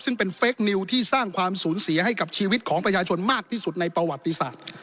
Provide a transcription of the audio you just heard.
ซึ่งเป็นเฟคนิวที่สร้างความสูญเสียให้กับชีวิตของประชาชนมากที่สุดในประวัติศาสตร์